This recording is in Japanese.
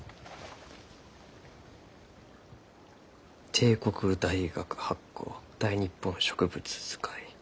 帝国大学発行「大日本植物図解」。